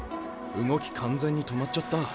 動き完全に止まっちゃった。